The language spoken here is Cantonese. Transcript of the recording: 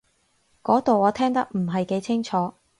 嗰度我聽得唔係幾清楚